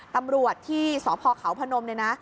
ตำรวจที่สพเขาพนมเนี่ยนะ